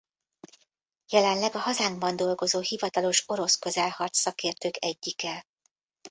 Jelenleg a hazánkban dolgozó hivatalos orosz közelharc szakértők egyike.